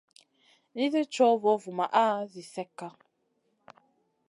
Nizi cow vovumaʼa zi slekka.